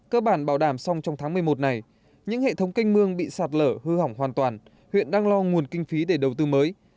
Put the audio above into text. cơ bản bảo đảm xong trong tháng một mươi một này những hệ thống canh mương bị sạt lở hư hỏng hoàn toàn huyện đang lo nguồn kinh phí để đầu tư mới